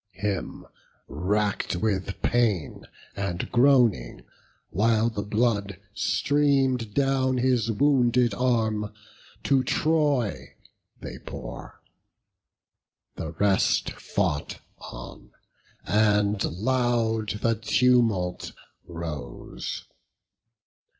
Him, rack'd with pain, and groaning, while the blood Stream'd down his wounded arm, to Troy they bore. The rest fought on, and loud the tumult rose.